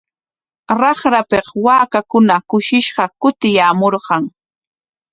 Raqrapik waakakuna kushishqa kutiyaamurqan.